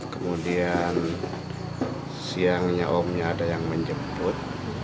kemudian siangnya omnya ada yang menjemput